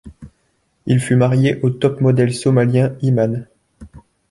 Il fut marié au top-model somalien Iman.